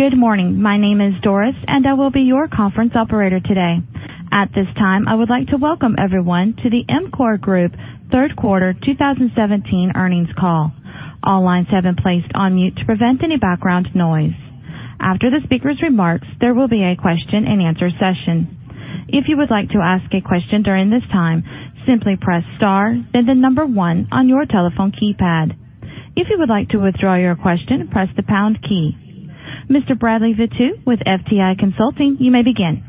Good morning. My name is Doris, and I will be your conference operator today. At this time, I would like to welcome everyone to the EMCOR Group third quarter 2017 earnings call. All lines have been placed on mute to prevent any background noise. After the speaker's remarks, there will be a question-and-answer session. If you would like to ask a question during this time, simply press star, then the number one on your telephone keypad. If you would like to withdraw your question, press the pound key. Mr. Bradley Vett with FTI Consulting, you may begin.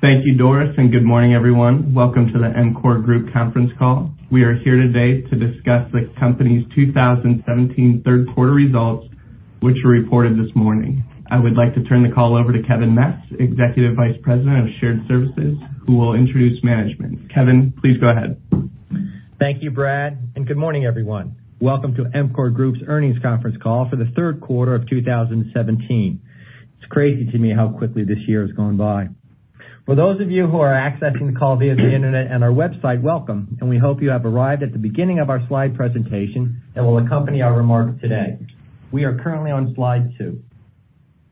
Thank you, Doris, and good morning, everyone. Welcome to the EMCOR Group conference call. We are here today to discuss the company's 2017 third quarter results, which were reported this morning. I would like to turn the call over to Kevin Matz, Executive Vice President of Shared Services, who will introduce management. Kevin, please go ahead. Thank you, Brad, and good morning, everyone. Welcome to EMCOR Group's earnings conference call for the third quarter of 2017. It's crazy to me how quickly this year has gone by. For those of you who are accessing the call via the internet and our website, welcome, and we hope you have arrived at the beginning of our slide presentation that will accompany our remarks today. We are currently on slide two.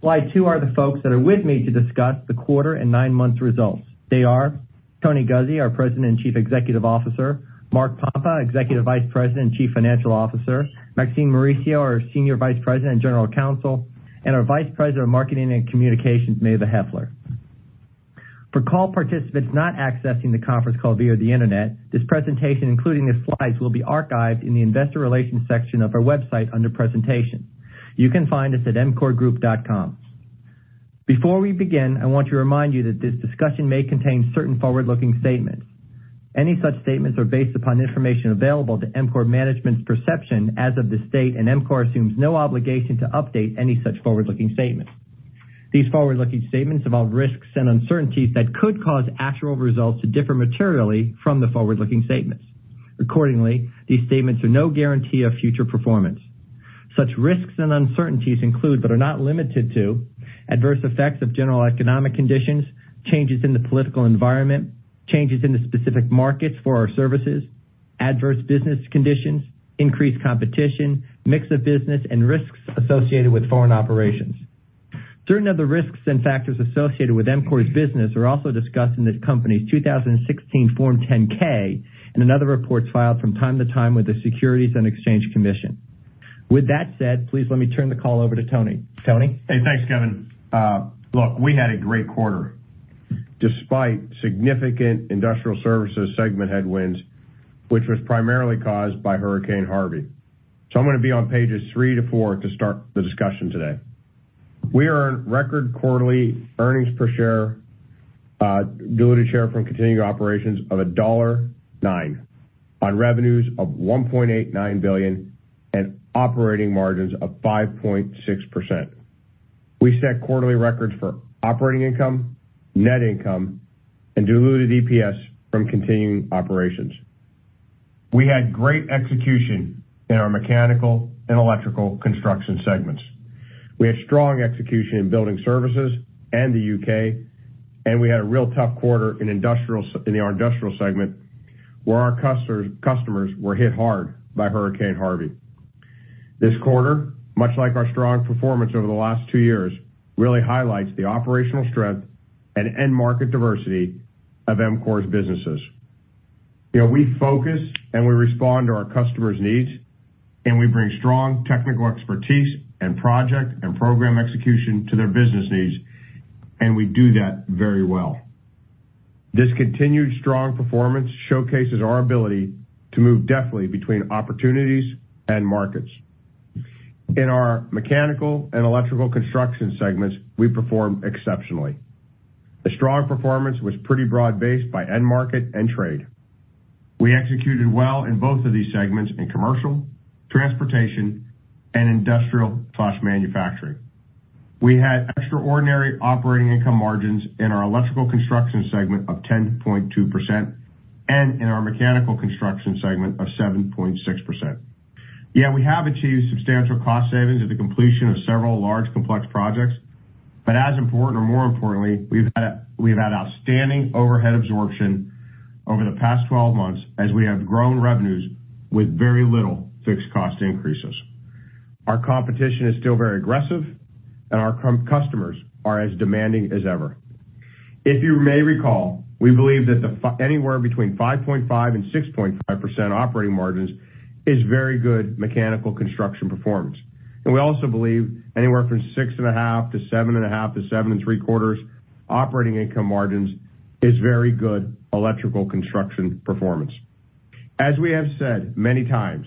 Slide two are the folks that are with me to discuss the quarter and nine months results. They are Tony Guzzi, our President and Chief Executive Officer, Mark Pompa, Executive Vice President and Chief Financial Officer, Maxine Mauricio, our Senior Vice President and General Counsel, and our Vice President of Marketing and Communications, Mava Heffler. For call participants not accessing the conference call via the internet, this presentation, including the slides, will be archived in the investor relations section of our website under presentations. You can find us at emcorgroup.com. Before we begin, I want to remind you that this discussion may contain certain forward-looking statements. Any such statements are based upon information available to EMCOR management's perception as of this date, and EMCOR assumes no obligation to update any such forward-looking statements. These forward-looking statements involve risks and uncertainties that could cause actual results to differ materially from the forward-looking statements. Accordingly, these statements are no guarantee of future performance. Such risks and uncertainties include, but are not limited to adverse effects of general economic conditions, changes in the political environment, changes in the specific markets for our services, adverse business conditions, increased competition, mix of business, and risks associated with foreign operations. Certain of the risks and factors associated with EMCOR's business are also discussed in this company's 2016 Form 10-K and in other reports filed from time to time with the Securities and Exchange Commission. With that said, please let me turn the call over to Tony. Tony? Hey, thanks, Kevin. We had a great quarter despite significant Industrial Services segment headwinds, which was primarily caused by Hurricane Harvey. I'm going to be on pages three to four to start the discussion today. We earned record quarterly earnings per share, diluted share from continuing operations of $1.09 on revenues of $1.89 billion and operating margins of 5.6%. We set quarterly records for operating income, net income and diluted EPS from continuing operations. We had great execution in our Mechanical Construction and Electrical Construction segments. We had strong execution in Building Services and the U.K., and we had a real tough quarter in our Industrial segment, where our customers were hit hard by Hurricane Harvey. This quarter, much like our strong performance over the last two years, really highlights the operational strength and end market diversity of EMCOR's businesses. We focus and we respond to our customers' needs, we bring strong technical expertise and project and program execution to their business needs, and we do that very well. This continued strong performance showcases our ability to move deftly between opportunities and markets. In our Mechanical Construction and Electrical Construction segments, we performed exceptionally. The strong performance was pretty broad-based by end market and trade. We executed well in both of these segments in commercial, transportation, and industrial/manufacturing. We had extraordinary operating income margins in our Electrical Construction segment of 10.2% and in our Mechanical Construction segment of 7.6%. We have achieved substantial cost savings at the completion of several large, complex projects. As important or more importantly, we've had outstanding overhead absorption over the past 12 months as we have grown revenues with very little fixed cost increases. Our competition is still very aggressive, our customers are as demanding as ever. If you may recall, we believe that anywhere between 5.5%-6.5% operating margins is very good Mechanical Construction performance. We also believe anywhere from 6.5% to 7.5% to 7.75% operating income margins is very good Electrical Construction performance. As we have said many times,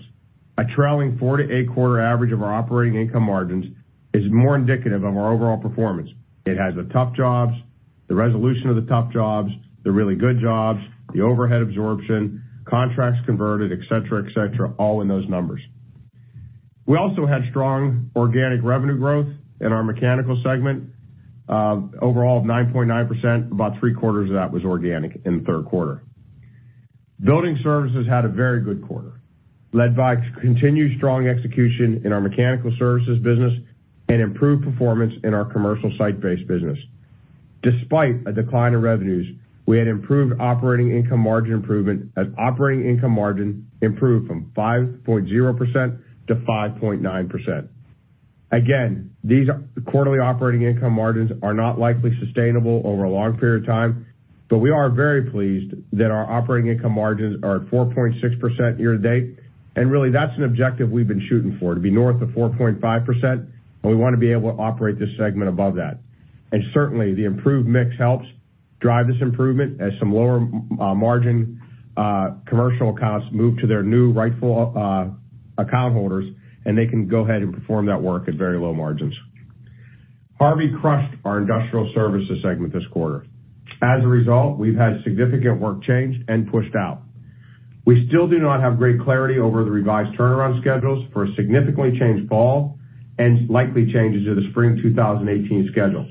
a trailing four to eight quarter average of our operating income margins is more indicative of our overall performance. It has the tough jobs, the resolution of the tough jobs, the really good jobs, the overhead absorption, contracts converted, et cetera, et cetera, all in those numbers. We also had strong organic revenue growth in our Mechanical segment. Overall of 9.9%, about three-quarters of that was organic in the third quarter. Building Services had a very good quarter, led by continued strong execution in our Mechanical Services business and improved performance in our Commercial Site-based Services business. Despite a decline in revenues, we had improved operating income margin improvement as operating income margin improved from 5.0% to 5.9%. Again, these quarterly operating income margins are not likely sustainable over a long period of time, but we are very pleased that our operating income margins are at 4.6% year-to-date. Really, that's an objective we've been shooting for, to be north of 4.5%, and we want to be able to operate this segment above that. Certainly, the improved mix helps drive this improvement as some lower margin commercial accounts move to their new rightful account holders, and they can go ahead and perform that work at very low margins. Hurricane Harvey crushed our U.S. Industrial Services segment this quarter. As a result, we've had significant work changed and pushed out. We still do not have great clarity over the revised turnaround schedules for a significantly changed fall and likely changes to the spring 2018 schedules.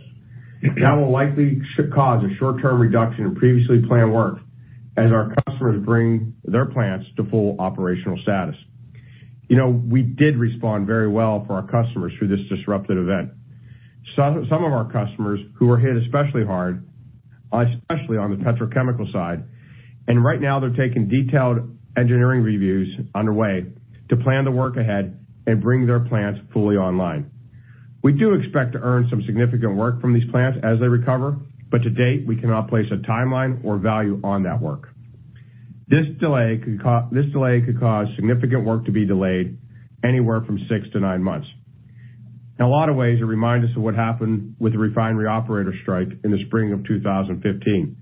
That will likely cause a short-term reduction in previously planned work as our customers bring their plants to full operational status. We did respond very well for our customers through this disruptive event. Some of our customers who were hit especially hard, especially on the petrochemical side, and right now they're taking detailed engineering reviews underway to plan the work ahead and bring their plants fully online. We do expect to earn some significant work from these plants as they recover, but to date, we cannot place a timeline or value on that work. This delay could cause significant work to be delayed anywhere from six to nine months. In a lot of ways, it reminds us of what happened with the refinery operator strike in the spring of 2015,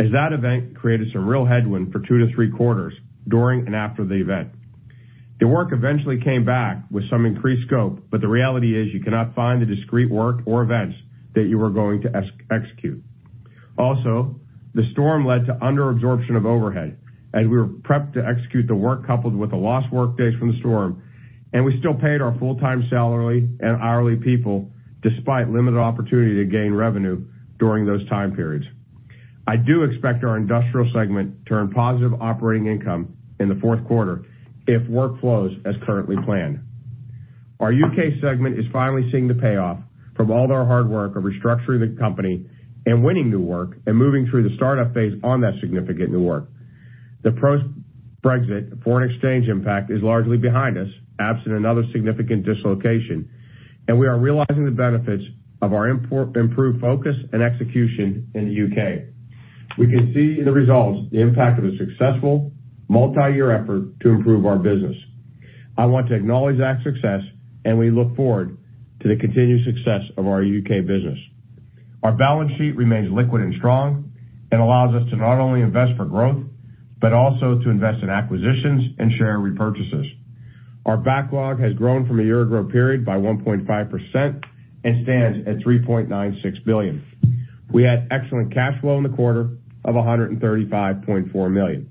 as that event created some real headwind for two to three quarters during and after the event. The work eventually came back with some increased scope, but the reality is you cannot find the discrete work or events that you were going to execute. Also, the storm led to under-absorption of overhead, and we were prepped to execute the work coupled with the lost work days from the storm, and we still paid our full-time salary and hourly people despite limited opportunity to gain revenue during those time periods. I do expect our U.S. Industrial Services segment to earn positive operating income in the fourth quarter if work flows as currently planned. Our U.K. Building Services segment is finally seeing the payoff from all of our hard work of restructuring the company and winning new work and moving through the startup phase on that significant new work. The post-Brexit foreign exchange impact is largely behind us, absent another significant dislocation, and we are realizing the benefits of our improved focus and execution in the U.K. We can see in the results the impact of a successful multi-year effort to improve our business. I want to acknowledge that success, and we look forward to the continued success of our U.K. business. Our balance sheet remains liquid and strong and allows us to not only invest for growth, but also to invest in acquisitions and share repurchases. Our backlog has grown from a year-ago period by 1.5% and stands at $3.96 billion. We had excellent cash flow in the quarter of $135.4 million.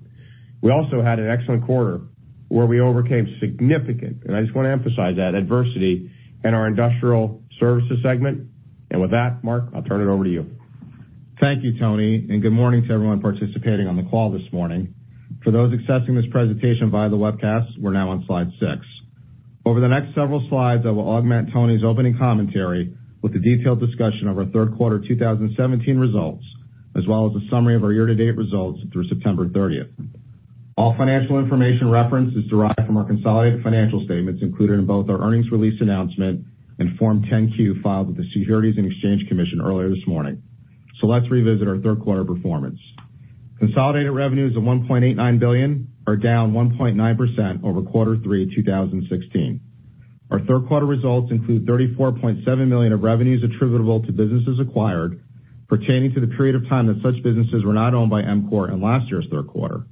We also had an excellent quarter where we overcame significant, and I just want to emphasize that, adversity in our Industrial Services segment. With that, Mark, I'll turn it over to you. Thank you, Tony, and good morning to everyone participating on the call this morning. For those accessing this presentation via the webcast, we're now on slide six. Over the next several slides, I will augment Tony's opening commentary with a detailed discussion of our third quarter 2017 results, as well as a summary of our year-to-date results through September 30th. All financial information referenced is derived from our consolidated financial statements included in both our earnings release announcement and Form 10-Q filed with the Securities and Exchange Commission earlier this morning. Let's revisit our third quarter performance. Consolidated revenues of $1.89 billion are down 1.9% over quarter three 2016. Our third quarter results include $34.7 million of revenues attributable to businesses acquired pertaining to the period of time that such businesses were not owned by EMCOR in last year's third quarter.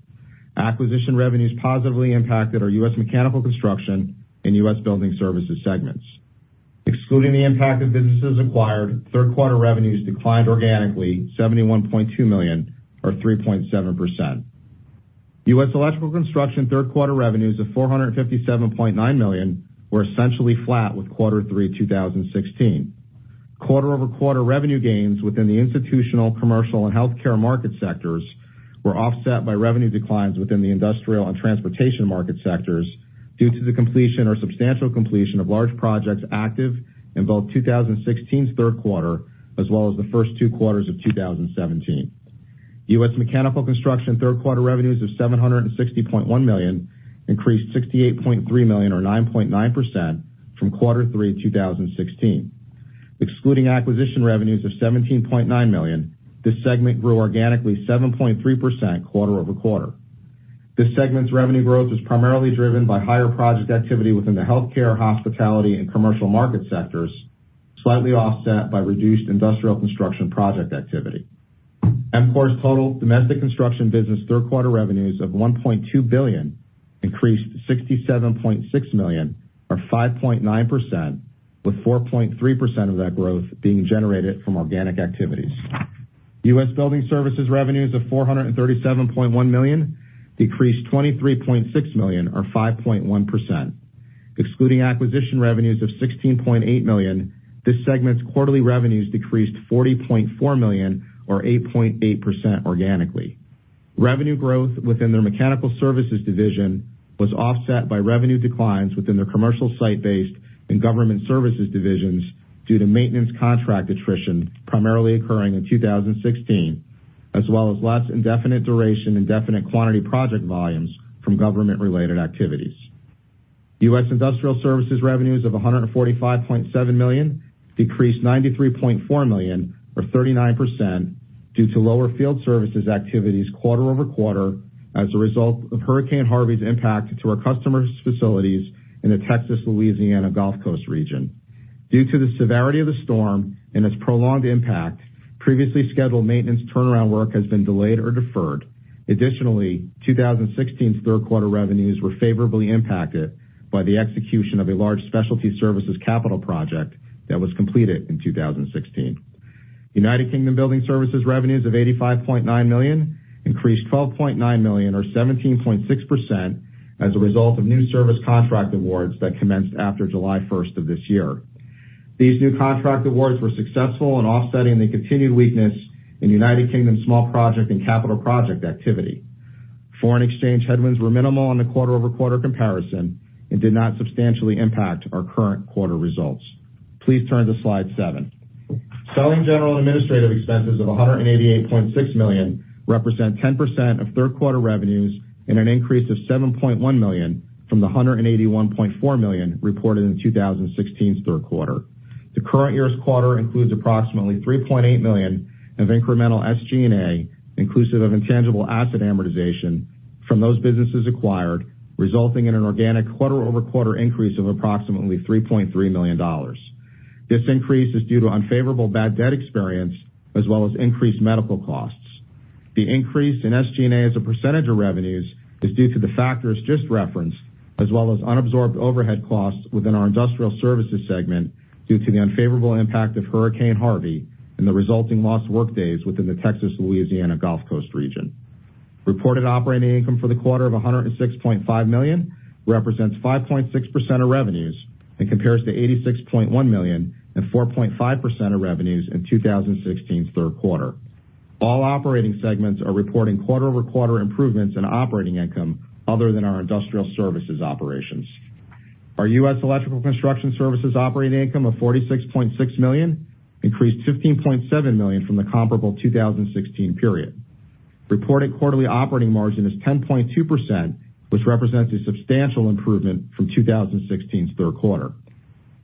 Acquisition revenues positively impacted our U.S. Mechanical Construction and U.S. Building Services segments. Excluding the impact of businesses acquired, third quarter revenues declined organically $71.2 million or 3.7%. U.S. Electrical Construction third quarter revenues of $457.9 million were essentially flat with quarter three 2016. Quarter-over-quarter revenue gains within the institutional, commercial, and healthcare market sectors were offset by revenue declines within the industrial and transportation market sectors due to the completion or substantial completion of large projects active in both 2016's third quarter as well as the first two quarters of 2017. U.S. Mechanical Construction third quarter revenues of $760.1 million increased $68.3 million or 9.9% from quarter three 2016. Excluding acquisition revenues of $17.9 million, this segment grew organically 7.3% quarter-over-quarter. This segment's revenue growth was primarily driven by higher project activity within the healthcare, hospitality, and commercial market sectors, slightly offset by reduced industrial construction project activity. EMCOR's total domestic construction business third quarter revenues of $1.2 billion increased $67.6 million or 5.9%, with 4.3% of that growth being generated from organic activities. U.S. Building Services revenues of $437.1 million decreased $23.6 million or 5.1%. Excluding acquisition revenues of $16.8 million, this segment's quarterly revenues decreased $40.4 million or 8.8% organically. Revenue growth within their Mechanical Services division was offset by revenue declines within their Commercial Site-based and Government Services divisions due to maintenance contract attrition, primarily occurring in 2016, as well as less indefinite duration and definite quantity project volumes from government-related activities. U.S. Industrial Services revenues of $145.7 million decreased $93.4 million or 39% due to lower field services activities quarter-over-quarter as a result of Hurricane Harvey's impact to our customers' facilities in the Texas, Louisiana Gulf Coast region. Due to the severity of the storm and its prolonged impact, previously scheduled maintenance turnaround work has been delayed or deferred. Additionally, 2016's third quarter revenues were favorably impacted by the execution of a large specialty services capital project that was completed in 2016. United Kingdom Building Services revenues of $85.9 million increased $12.9 million or 17.6% as a result of new service contract awards that commenced after July 1st of this year. These new contract awards were successful in offsetting the continued weakness in United Kingdom small project and capital project activity. Foreign exchange headwinds were minimal on the quarter-over-quarter comparison and did not substantially impact our current quarter results. Please turn to slide seven. Selling general administrative expenses of $188.6 million represent 10% of third quarter revenues and an increase of $7.1 million from the $181.4 million reported in 2016's third quarter. The current year's quarter includes approximately $3.8 million of incremental SG&A, inclusive of intangible asset amortization from those businesses acquired, resulting in an organic quarter-over-quarter increase of approximately $3.3 million. This increase is due to unfavorable bad debt experience as well as increased medical costs. The increase in SG&A as a percentage of revenues is due to the factors just referenced, as well as unabsorbed overhead costs within our Industrial Services segment due to the unfavorable impact of Hurricane Harvey and the resulting lost workdays within the Texas, Louisiana Gulf Coast region. Reported operating income for the quarter of $106.5 million represents 5.6% of revenues and compares to $86.1 million and 4.5% of revenues in 2016's third quarter. All operating segments are reporting quarter-over-quarter improvements in operating income other than our Industrial Services operations. Our U.S. Electrical Construction Services operating income of $46.6 million increased $15.7 million from the comparable 2016 period. Reported quarterly operating margin is 10.2%, which represents a substantial improvement from 2016's third quarter.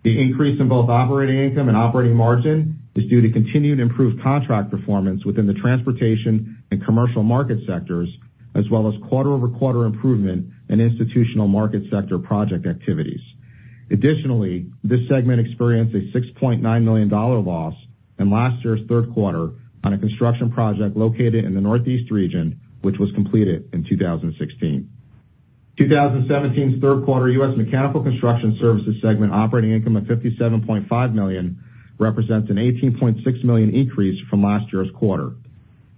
The increase in both operating income and operating margin is due to continued improved contract performance within the transportation and commercial market sectors, as well as quarter-over-quarter improvement in institutional market sector project activities. Additionally, this segment experienced a $6.9 million loss in last year's third quarter on a construction project located in the Northeast region, which was completed in 2016. 2017's third quarter U.S. Mechanical Construction Services segment operating income of $57.5 million represents an $18.6 million increase from last year's quarter.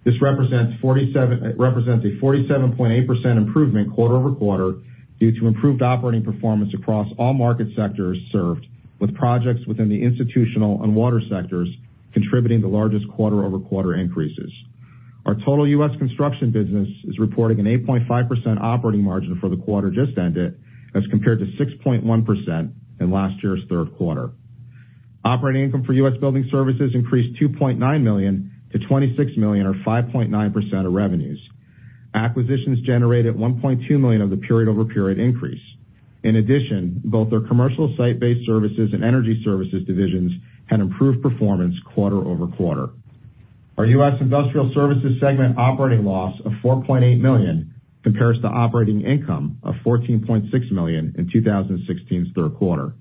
This represents a 47.8% improvement quarter-over-quarter due to improved operating performance across all market sectors served, with projects within the institutional and water sectors contributing the largest quarter-over-quarter increases. Our total U.S. construction business is reporting an 8.5% operating margin for the quarter just ended, as compared to 6.1% in last year's third quarter. Operating income for U.S. Building Services increased $2.9 million to $26 million or 5.9% of revenues. Acquisitions generated $1.2 million of the period-over-period increase. In addition, both their Commercial Site-based Services and Energy Services divisions had improved performance quarter-over-quarter. Our U.S. Industrial Services segment operating loss of $4.8 million compares to operating income of $14.6 million in 2016's third quarter.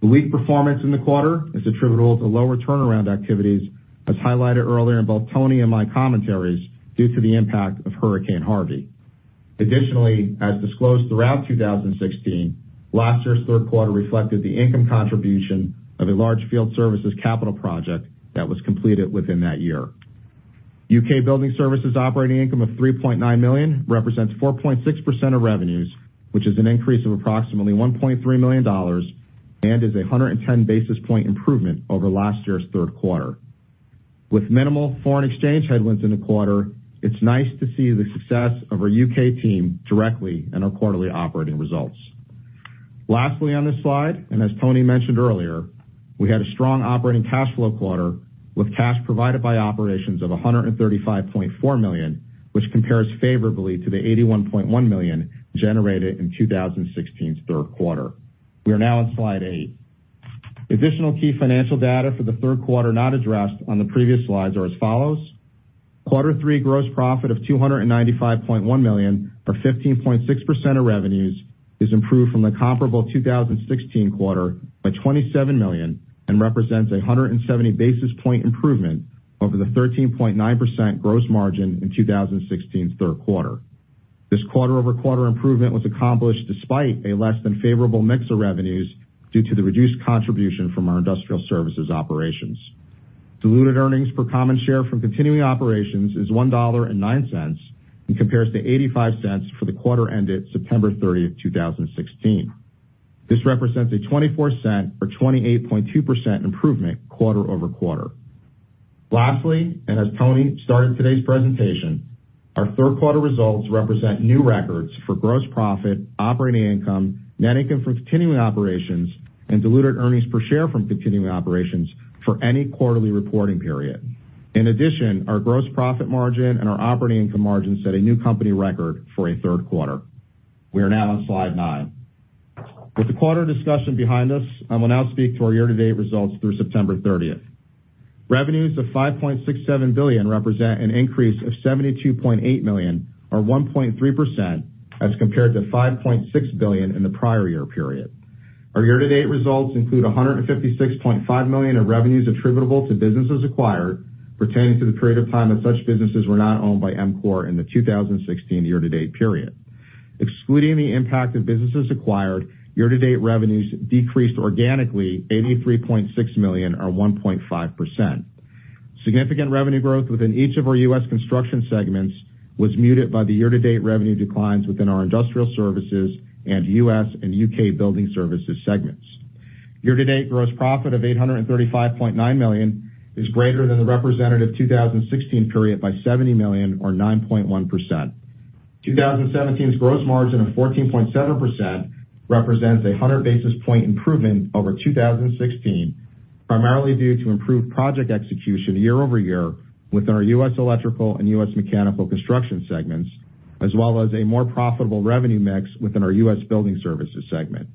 The weak performance in the quarter is attributable to lower turnaround activities, as highlighted earlier in both Tony and my commentaries, due to the impact of Hurricane Harvey. Additionally, as disclosed throughout 2016, last year's third quarter reflected the income contribution of a large field services capital project that was completed within that year. U.K. Building Services operating income of $3.9 million represents 4.6% of revenues, which is an increase of approximately $1.3 million and is a 110 basis point improvement over last year's third quarter. With minimal foreign exchange headwinds in the quarter, it's nice to see the success of our U.K. team directly in our quarterly operating results. Lastly on this slide, as Tony mentioned earlier, we had a strong operating cash flow quarter with cash provided by operations of $135.4 million, which compares favorably to the $81.1 million generated in 2016's third quarter. We are now on slide eight. Additional key financial data for the third quarter not addressed on the previous slides are as follows: Quarter three Gross Profit of $295.1 million or 15.6% of revenues is improved from the comparable 2016 quarter by $27 million and represents a 170 basis point improvement over the 13.9% gross margin in 2016's third quarter. This quarter-over-quarter improvement was accomplished despite a less than favorable mix of revenues due to the reduced contribution from our Industrial Services operations. Diluted earnings per common share from continuing operations is $1.09 and compares to $0.85 for the quarter ended September 30, 2016. This represents a $0.24 or 28.2% improvement quarter-over-quarter. Lastly, as Tony started today's presentation, our third quarter results represent new records for Gross Profit, Operating Income, Net Income from Continuing Operations, and Diluted Earnings Per Share from Continuing Operations for any quarterly reporting period. In addition, our Gross Profit Margin and our Operating Income Margin set a new company record for a third quarter. We are now on slide nine. With the quarter discussion behind us, I will now speak to our year-to-date results through September 30. Revenues of $5.67 billion represent an increase of $72.8 million or 1.3% as compared to $5.6 billion in the prior year period. Our year-to-date results include $156.5 million of revenues attributable to businesses acquired pertaining to the period of time that such businesses were not owned by EMCOR in the 2016 year-to-date period. Excluding the impact of businesses acquired, year-to-date revenues decreased organically $83.6 million or 1.5%. Significant revenue growth within each of our U.S. construction segments was muted by the year-to-date revenue declines within our Industrial Services and U.S. and U.K. Building Services segments. Year-to-date Gross Profit of $835.9 million is greater than the representative 2016 period by $70 million or 9.1%. 2017's gross margin of 14.7% represents a 100-basis point improvement over 2016, primarily due to improved project execution year-over-year within our U.S. Electrical and U.S. Mechanical Construction segments, as well as a more profitable revenue mix within our U.S. Building Services segment.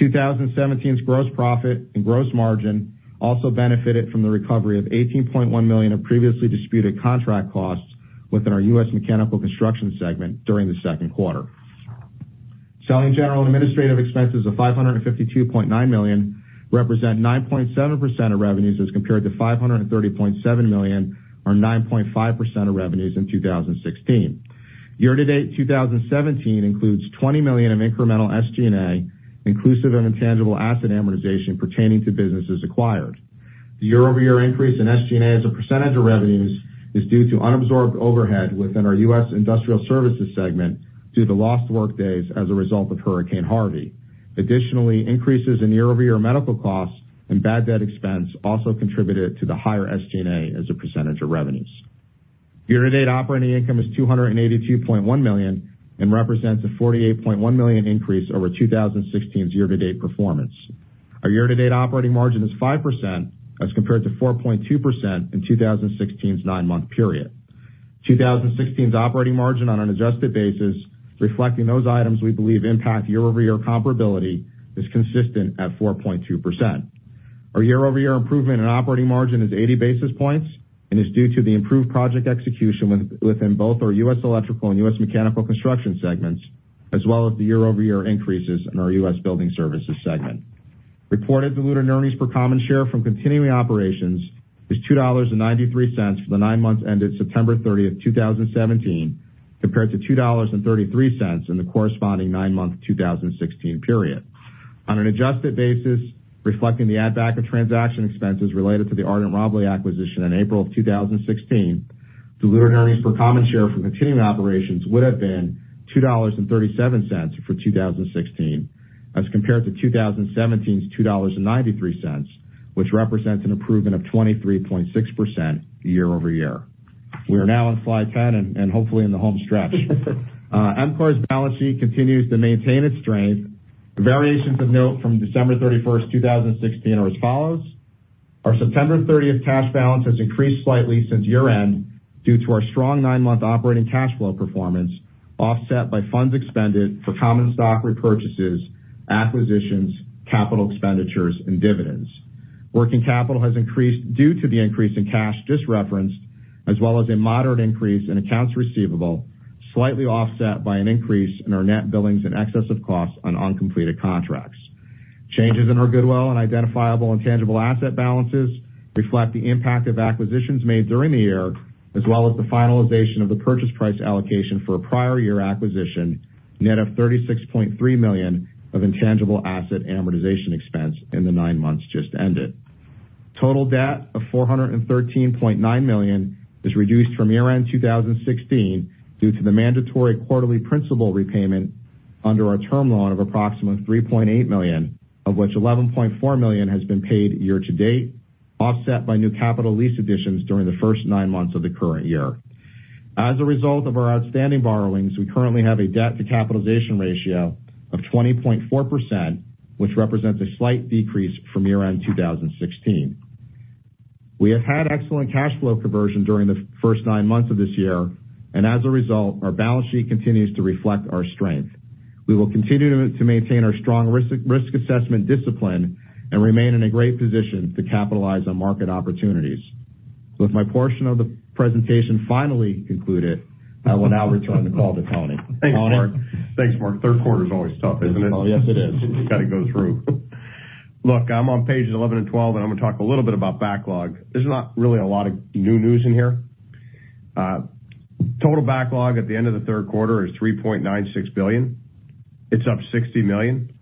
2017's Gross Profit and gross margin also benefited from the recovery of $18.1 million of previously disputed contract costs within our U.S. Mechanical Construction segment during the second quarter. Selling, General and Administrative expenses of $552.9 million represent 9.7% of revenues as compared to $530.7 million or 9.5% of revenues in 2016. Year-to-date 2017 includes $20 million of incremental SG&A inclusive and intangible asset amortization pertaining to businesses acquired. The year-over-year increase in SG&A as a percentage of revenues is due to unabsorbed overhead within our U.S. Industrial Services segment due to lost workdays as a result of Hurricane Harvey. Additionally, increases in year-over-year medical costs and bad debt expense also contributed to the higher SG&A as a percentage of revenues. Year-to-date operating income is $282.1 million and represents a $48.1 million increase over 2016's year-to-date performance. Our year-to-date operating margin is 5%, as compared to 4.2% in 2016's nine-month period. 2016's operating margin on an adjusted basis, reflecting those items we believe impact year-over-year comparability, is consistent at 4.2%. Our year-over-year improvement in operating margin is 80 basis points and is due to the improved project execution within both our U.S. Electrical Construction and U.S. Mechanical Construction segments, as well as the year-over-year increases in our U.S. Building Services segment. Reported diluted earnings per common share from continuing operations is $2.93 for the nine months ended September 30, 2017, compared to $2.33 in the corresponding nine-month 2016 period. On an adjusted basis, reflecting the add back of transaction expenses related to the Ardent Services and Rabalais Constructors acquisition in April 2016, diluted earnings per common share from continuing operations would have been $2.37 for 2016 as compared to 2017's $2.93, which represents an improvement of 23.6% year-over-year. We are now on slide 10 and hopefully in the home stretch. EMCOR's balance sheet continues to maintain its strength. The variations of note from December 31, 2016 are as follows. Our September 30 cash balance has increased slightly since year-end due to our strong nine-month operating cash flow performance, offset by funds expended for common stock repurchases, acquisitions, capital expenditures, and dividends. Working capital has increased due to the increase in cash just referenced, as well as a moderate increase in accounts receivable, slightly offset by an increase in our net billings and excess of costs on uncompleted contracts. Changes in our goodwill and identifiable intangible asset balances reflect the impact of acquisitions made during the year, as well as the finalization of the purchase price allocation for a prior year acquisition, net of $36.3 million of intangible asset amortization expense in the nine months just ended. Total debt of $413.9 million is reduced from year-end 2016 due to the mandatory quarterly principal repayment under our term loan of approximately $3.8 million, of which $11.4 million has been paid year-to-date, offset by new capital lease additions during the first nine months of the current year. As a result of our outstanding borrowings, we currently have a debt-to-capitalization ratio of 20.4%, which represents a slight decrease from year-end 2016. We have had excellent cash flow conversion during the first nine months of this year, our balance sheet continues to reflect our strength. We will continue to maintain our strong risk assessment discipline and remain in a great position to capitalize on market opportunities. With my portion of the presentation finally concluded, I will now return the call to Tony. Tony? Thanks, Mark. Third quarter is always tough, isn't it? Oh, yes, it is. You got to go through. Look, I'm on pages 11 and 12, I'm going to talk a little bit about backlog. There's not really a lot of new news in here. Total backlog at the end of the third quarter is $3.96 billion. It's up $60 million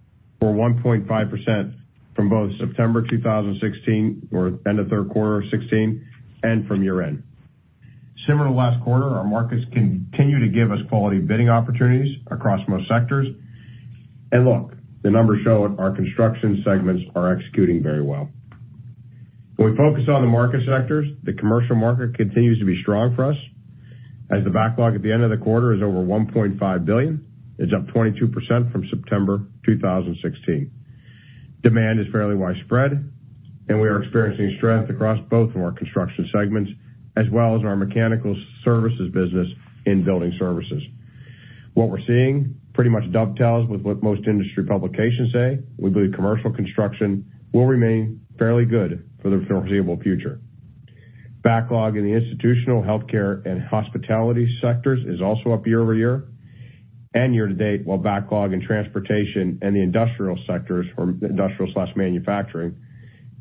or 1.5% from both September 2016 or end of third quarter 2016 and from year-end. Similar to last quarter, our markets continue to give us quality bidding opportunities across most sectors. Look, the numbers show it, our construction segments are executing very well. When we focus on the market sectors, the commercial market continues to be strong for us, as the backlog at the end of the quarter is over $1.5 billion. It's up 22% from September 2016. Demand is fairly widespread, we are experiencing strength across both of our construction segments, as well as our Mechanical Services business in Building Services. What we're seeing pretty much dovetails with what most industry publications say. We believe commercial construction will remain fairly good for the foreseeable future. Backlog in the institutional healthcare and hospitality sectors is also up year-over-year and year-to-date, while backlog in transportation and the industrial sectors, or industrial/manufacturing,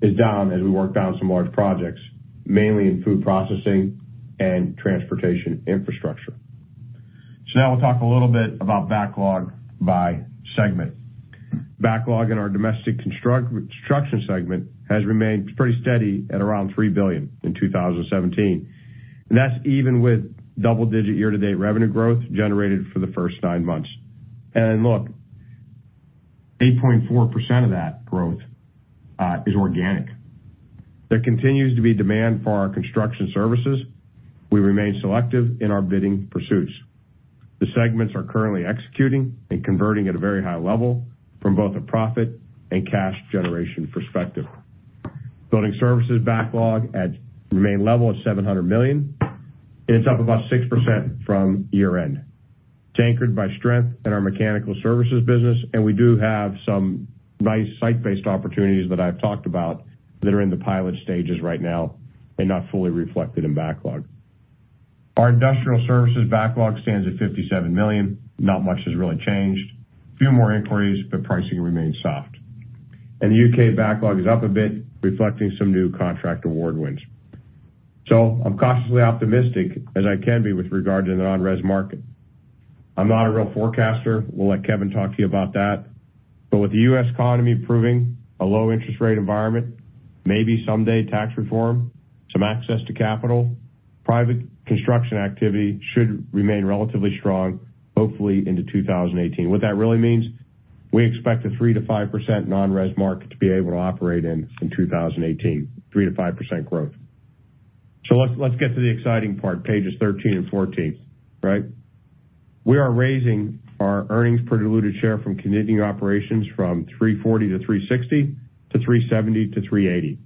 is down as we work down some large projects, mainly in food processing and transportation infrastructure. Now we'll talk a little bit about backlog by segment. Backlog in our domestic construction segment has remained pretty steady at around $3 billion in 2017, that's even with double-digit year-to-date revenue growth generated for the first nine months. Look, 8.4% of that growth is organic. There continues to be demand for our construction services. We remain selective in our bidding pursuits. The segments are currently executing and converting at a very high level from both a profit and cash generation perspective. Building Services backlog at remain level of $700 million. It's up about 6% from year-end. It's anchored by strength in our Mechanical Services business, and we do have some nice site-based opportunities that I've talked about that are in the pilot stages right now and not fully reflected in backlog. Our Industrial Services backlog stands at $57 million. Not much has really changed. Few more inquiries, but pricing remains soft. The U.K. backlog is up a bit, reflecting some new contract award wins. I'm cautiously optimistic as I can be with regard to the non-res market. I'm not a real forecaster. We'll let Kevin talk to you about that. With the U.S. economy improving, a low interest rate environment, maybe someday tax reform, some access to capital, private construction activity should remain relatively strong, hopefully into 2018. What that really means, we expect a 3%-5% non-res market to be able to operate in in 2018, 3%-5% growth. Let's get to the exciting part, pages 13 and 14. We are raising our earnings per diluted share from continuing operations from $3.40 to $3.60 to $3.70 to $3.80.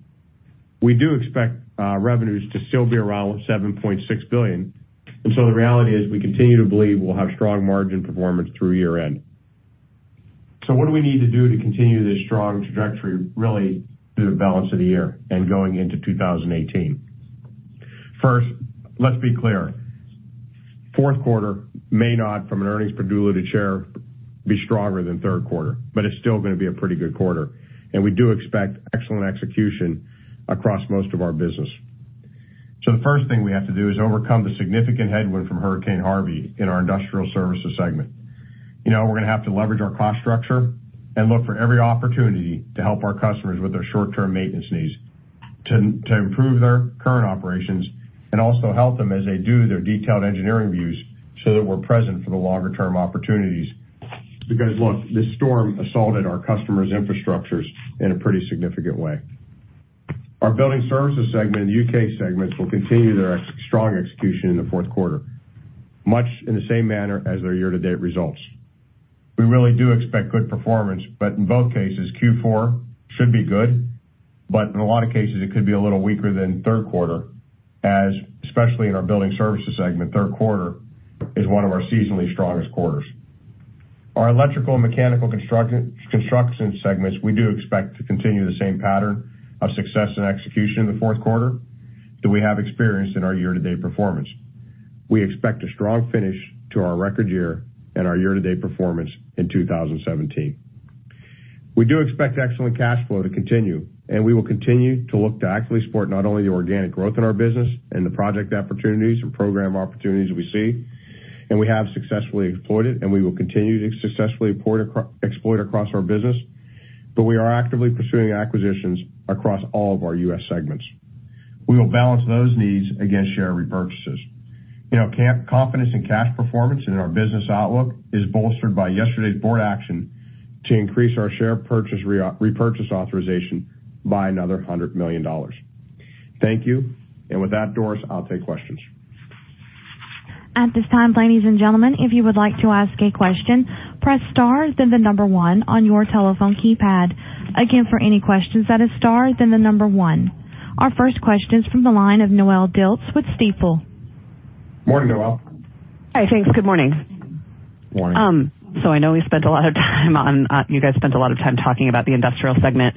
We do expect our revenues to still be around $7.6 billion. The reality is we continue to believe we'll have strong margin performance through year-end. What do we need to do to continue this strong trajectory, really through the balance of the year and going into 2018? First, let's be clear. Fourth quarter may not, from an earnings per diluted share, be stronger than third quarter, but it's still going to be a pretty good quarter. We do expect excellent execution across most of our business. The first thing we have to do is overcome the significant headwind from Hurricane Harvey in our Industrial Services segment. We're going to have to leverage our cost structure and look for every opportunity to help our customers with their short-term maintenance needs to improve their current operations and also help them as they do their detailed engineering reviews so that we're present for the longer-term opportunities. Look, this storm assaulted our customers' infrastructures in a pretty significant way. Our Building Services segment and U.K. segments will continue their strong execution in the fourth quarter, much in the same manner as their year-to-date results. We really do expect good performance, but in both cases, Q4 should be good, but in a lot of cases, it could be a little weaker than third quarter, as especially in our Building Services segment, third quarter is one of our seasonally strongest quarters. Our Electrical Construction Services and Mechanical Construction Services segments we do expect to continue the same pattern of success and execution in the fourth quarter that we have experienced in our year-to-date performance. We expect a strong finish to our record year and our year-to-date performance in 2017. We do expect excellent cash flow to continue, we will continue to look to actively support not only the organic growth in our business and the project opportunities and program opportunities we see, and we have successfully exploited, and we will continue to successfully exploit across our business, but we are actively pursuing acquisitions across all of our U.S. segments. We will balance those needs against share repurchases. Confidence in cash performance and in our business outlook is bolstered by yesterday's board action to increase our share purchase repurchase authorization by another $100 million. Thank you. With that, Doris, I'll take questions. At this time, ladies and gentlemen, if you would like to ask a question, press star then the number one on your telephone keypad. Again, for any questions, that is star then the number one. Our first question is from the line of Noelle Dilts with Stifel. Morning, Noelle. Hi. Thanks. Good morning. Morning. I know you guys spent a lot of time talking about the industrial segment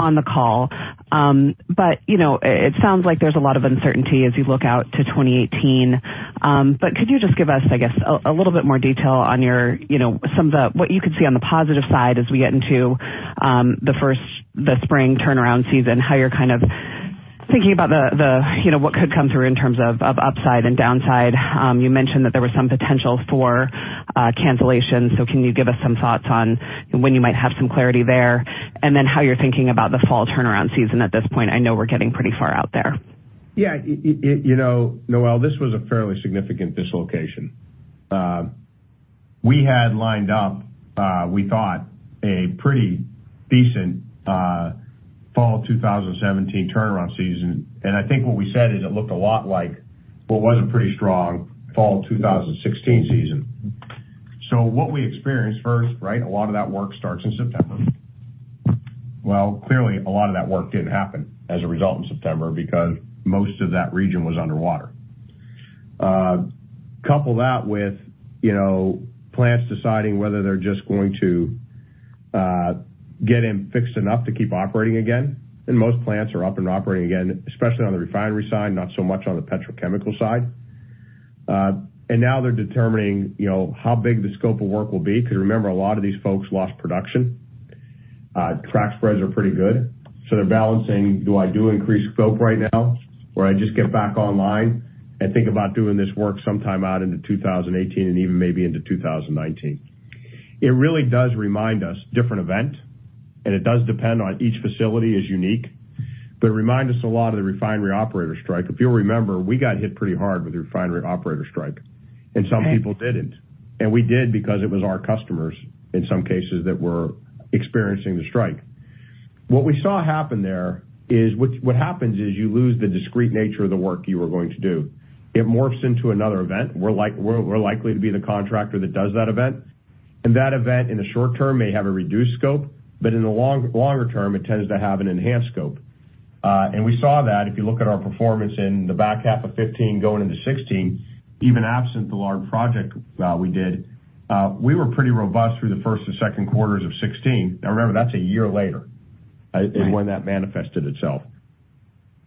on the call. It sounds like there's a lot of uncertainty as you look out to 2018. Could you just give us, I guess, a little bit more detail on what you could see on the positive side as we get into the spring turnaround season, how you're kind of thinking about what could come through in terms of upside and downside? You mentioned that there was some potential for cancellations, can you give us some thoughts on when you might have some clarity there, and then how you're thinking about the fall turnaround season at this point? I know we're getting pretty far out there. Yeah. Noelle, this was a fairly significant dislocation. We had lined up, we thought, a pretty decent fall 2017 turnaround season. I think what we said is it looked a lot like what was a pretty strong fall 2016 season. What we experienced first, a lot of that work starts in September. Well, clearly, a lot of that work didn't happen as a result in September because most of that region was underwater. Couple that with plants deciding whether they're just going to get him fixed enough to keep operating again, and most plants are up and operating again, especially on the refinery side, not so much on the petrochemical side. Now they're determining how big the scope of work will be, because remember, a lot of these folks lost production. Crack spreads are pretty good, so they're balancing, do I do increased scope right now, or I just get back online and think about doing this work sometime out into 2018 and even maybe into 2019? It really does remind us, different event, and it does depend on each facility is unique, but it reminds us a lot of the refinery operator strike. If you'll remember, we got hit pretty hard with the refinery operator strike, and some people didn't. We did because it was our customers, in some cases, that were experiencing the strike. What we saw happen there is what happens is you lose the discrete nature of the work you were going to do. It morphs into another event. We're likely to be the contractor that does that event. That event, in the short term, may have a reduced scope, in the longer term, it tends to have an enhanced scope. We saw that if you look at our performance in the back half of 2015 going into 2016, even absent the large project we did, we were pretty robust through the first and second quarters of 2016. Remember, that's a year later- Right in when that manifested itself.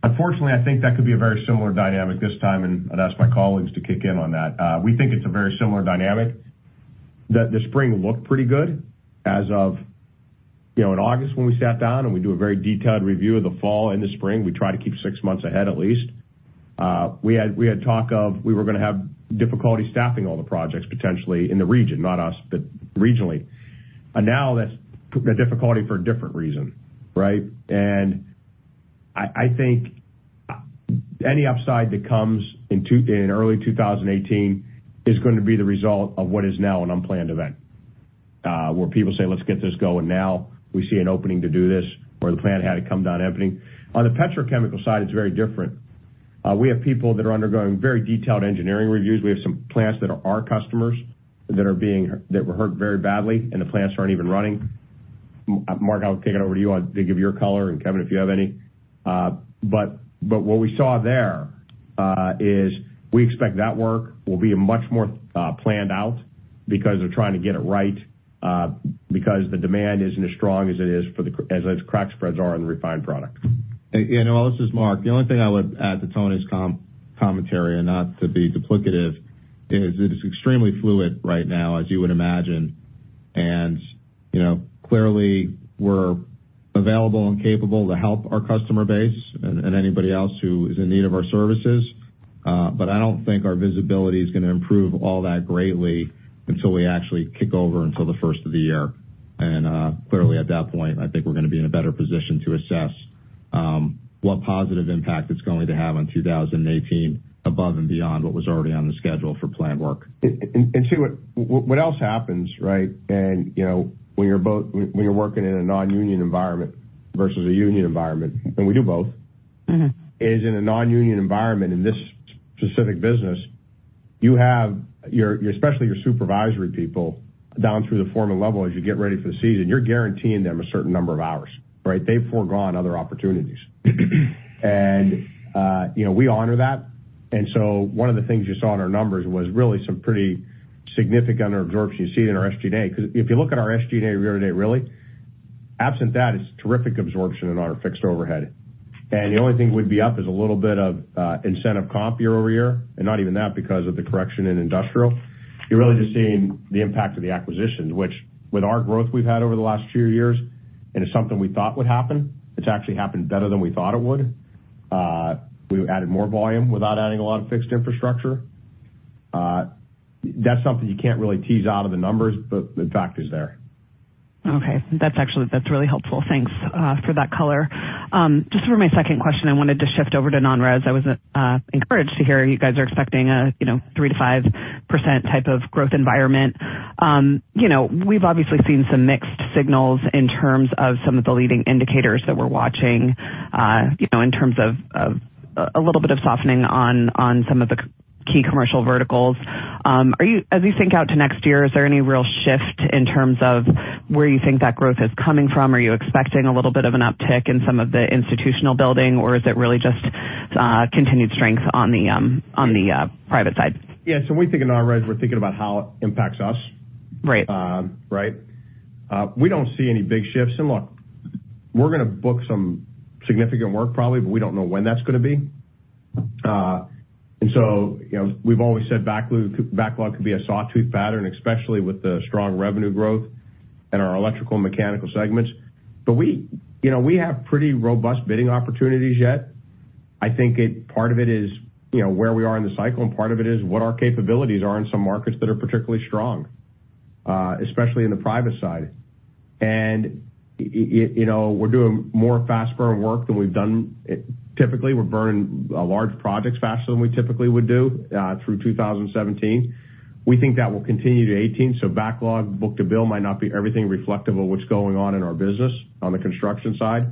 Unfortunately, I think that could be a very similar dynamic this time, and I'd ask my colleagues to kick in on that. We think it's a very similar dynamic that the spring looked pretty good as of in August when we sat down, and we do a very detailed review of the fall and the spring. We try to keep six months ahead at least. We had talk of we were going to have difficulty staffing all the projects potentially in the region, not us, but regionally. That's a difficulty for a different reason. I think any upside that comes in early 2018 is going to be the result of what is now an unplanned event, where people say, "Let's get this going now. We see an opening to do this," or the plant had a come down opening. On the petrochemical side, it's very different. We have people that are undergoing very detailed engineering reviews. We have some plants that are our customers that were hurt very badly, and the plants aren't even running. Mark Pompa, I'll kick it over to you to give your color, and Kevin Matz, if you have any. What we saw there is we expect that work will be much more planned out because they're trying to get it right, because the demand isn't as strong as crack spreads are on the refined product. This is Mark Pompa. The only thing I would add to Tony Guzzi's commentary, and not to be duplicative, is it is extremely fluid right now, as you would imagine. Clearly, we're available and capable to help our customer base and anybody else who is in need of our services. I don't think our visibility is going to improve all that greatly until we actually kick over until the first of the year. Clearly, at that point, I think we're going to be in a better position to assess what positive impact it's going to have on 2018 above and beyond what was already on the schedule for planned work. See what else happens. When you're working in a non-union environment versus a union environment, and we do both- is in a non-union environment in this specific business, especially your supervisory people down through the foreman level, as you get ready for the season, you're guaranteeing them a certain number of hours. They've forgone other opportunities. We honor that. So one of the things you saw in our numbers was really some pretty significant under absorption you see in our SG&A, because if you look at our SG&A year to date really, absent that, it's terrific absorption in our fixed overhead. The only thing we'd be up is a little bit of incentive comp year-over-year, and not even that because of the correction in industrial. You're really just seeing the impact of the acquisitions, which with our growth we've had over the last few years, and it's something we thought would happen, it's actually happened better than we thought it would. We added more volume without adding a lot of fixed infrastructure. That's something you can't really tease out of the numbers, but the fact is there. Okay. That's really helpful. Thanks for that color. Just for my second question, I wanted to shift over to non-res. I was encouraged to hear you guys are expecting a 3%-5% type of growth environment. We've obviously seen some mixed signals in terms of some of the leading indicators that we're watching in terms of a little bit of softening on some of the key commercial verticals. As we think out to next year, is there any real shift in terms of where you think that growth is coming from? Are you expecting a little bit of an uptick in some of the institutional building, or is it really just continued strength on the private side? When we think of non-res, we're thinking about how it impacts us. Right. We don't see any big shifts. Look, we're going to book some significant work probably, but we don't know when that's going to be. We've always said backlog could be a sawtooth pattern, especially with the strong revenue growth in our electrical and mechanical segments. We have pretty robust bidding opportunities yet. I think part of it is where we are in the cycle, and part of it is what our capabilities are in some markets that are particularly strong, especially in the private side. We're doing more fast burn work than we've done. Typically, we're burning large projects faster than we typically would do through 2017. We think that will continue to 2018, backlog book-to-bill might not be everything reflective of what's going on in our business on the construction side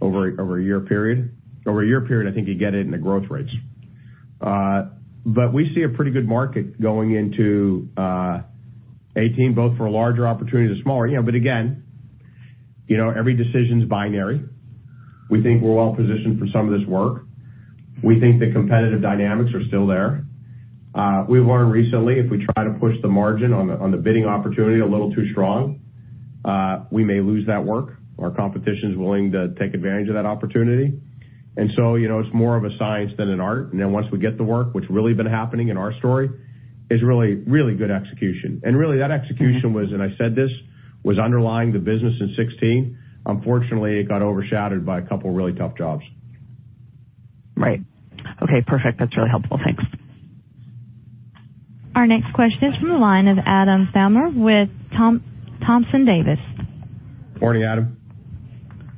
over a year period. Over a year period, I think you get it in the growth rates. We see a pretty good market going into 2018, both for larger opportunities and smaller. Again, every decision's binary. We think we're well-positioned for some of this work. We think the competitive dynamics are still there. We've learned recently, if we try to push the margin on the bidding opportunity a little too strong, we may lose that work. Our competition's willing to take advantage of that opportunity. It's more of a science than an art. Then once we get the work, what's really been happening in our story is really good execution. Really, that execution was, and I said this, was underlying the business in 2016. Unfortunately, it got overshadowed by a couple of really tough jobs. Right. Okay, perfect. That's really helpful. Thanks. Our next question is from the line of Adam Thalhimer with Thompson Davis & Co. Morning, Adam.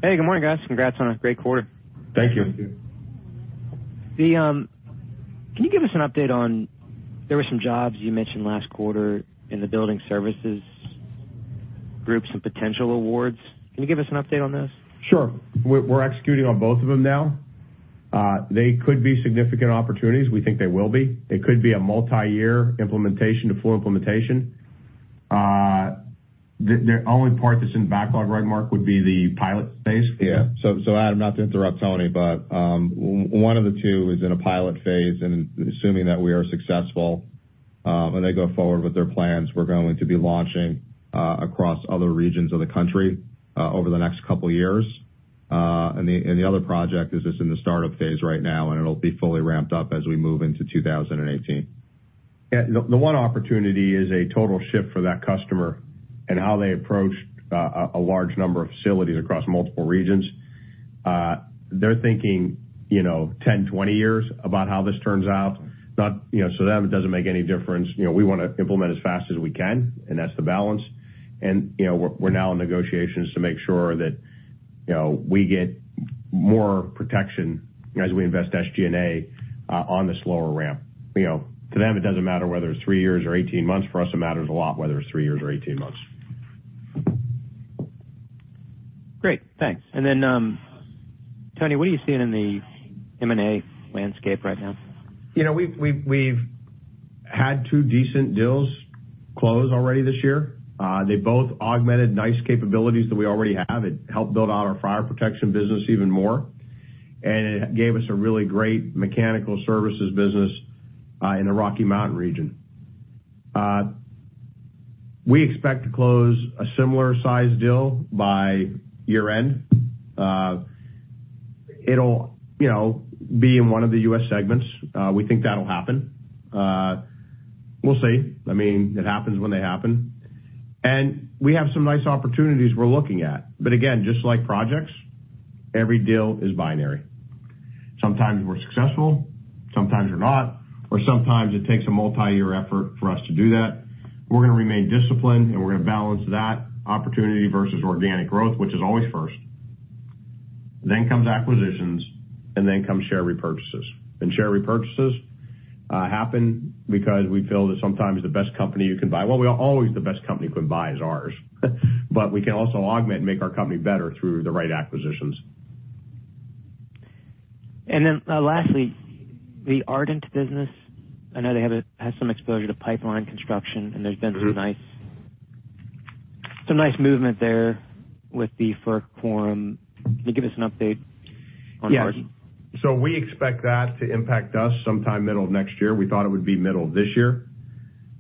Hey, good morning, guys. Congrats on a great quarter. Thank you. Can you give us an update on, there were some jobs you mentioned last quarter in the Building Services groups and potential awards. Can you give us an update on this? Sure. We're executing on both of them now. They could be significant opportunities. We think they will be. They could be a multi-year implementation to full implementation. The only part that's in backlog right, Mark, would be the pilot phase. Adam, not to interrupt Tony, but one of the two is in a pilot phase, and assuming that we are successful, when they go forward with their plans, we're going to be launching across other regions of the country over the next couple of years. The other project is just in the startup phase right now, and it'll be fully ramped up as we move into 2018. Yeah. The one opportunity is a total shift for that customer and how they approached a large number of facilities across multiple regions. They're thinking 10, 20 years about how this turns out. To them, it doesn't make any difference. We want to implement as fast as we can, and that's the balance. We're now in negotiations to make sure that we get more protection as we invest SG&A on the slower ramp. To them, it doesn't matter whether it's three years or 18 months. For us, it matters a lot whether it's three years or 18 months. Great, thanks. Then, Tony, what are you seeing in the M&A landscape right now? We've had two decent deals close already this year. They both augmented nice capabilities that we already have. It helped build out our fire protection business even more. It gave us a really great Mechanical Services business in the Rocky Mountain region. We expect to close a similar size deal by year-end. It'll be in one of the U.S. segments. We think that'll happen. We'll see. It happens when they happen. We have some nice opportunities we're looking at. Again, just like projects, every deal is binary. Sometimes we're successful, sometimes we're not, or sometimes it takes a multi-year effort for us to do that. We're going to remain disciplined, we're going to balance that opportunity versus organic growth, which is always first. Then comes acquisitions, then comes share repurchases. Share repurchases happen because we feel that sometimes the best company you can buy, well, always the best company you can buy is ours. We can also augment and make our company better through the right acquisitions. Lastly, the Ardent business, I know they have some exposure to pipeline construction, there's been some nice movement there with the FERC quorum. Can you give us an update on Ardent? Yes. We expect that to impact us sometime middle of next year. We thought it would be middle of this year.